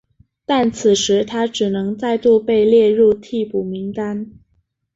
但此时他只能再度被列入替补名单。